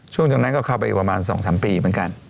ช่วงตรงนั้นก็เข้าไปอีกประมาณ๒๓ปีเหมือนกัน